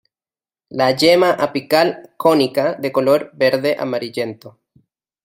La yema apical cónica de color verde amarillento.